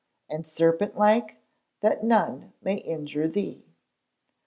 [...AND SERPENT LIKE, THAT NONE MAY INJURE THEE.